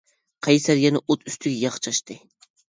قەيسەر يەنە ئوت ئۈستىگە ياغ چاچتى.